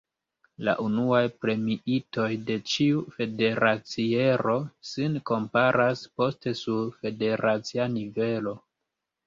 La unuaj premiitoj de ĉiu federaciero sin komparas poste sur federacia nivelo.